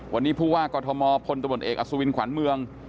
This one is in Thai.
วันนี้ผู้ว่ากกมทเอสุวินขวานเมือง